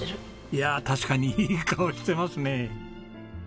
いや確かにいい顔してますね。